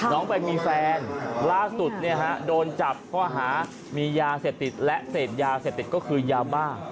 น้องไปมีแฟนล่าสุดโดนจับข้อหามียาเสพติดและเสพยาเสพติดก็คือยาบ้า